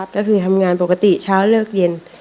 ก็คือทำงานปกติเช้าเลิกเย็น